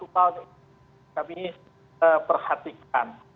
yang kami perhatikan